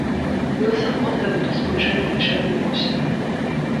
"Wilson odgadł to spojrzenie i rzekł głośno."